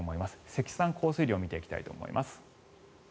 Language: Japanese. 積算降水量を見ていきたいと思います。